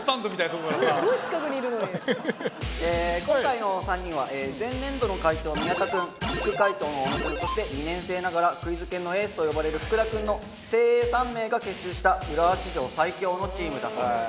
ええ今回のお三人は前年度の会長宮田君副会長の小野君そして２年生ながらクイズ研のエースと呼ばれる福田君の精鋭３名が結集した浦和史上最強のチームだそうです。